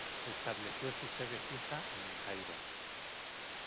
Se estableció su sede fija en El Cairo.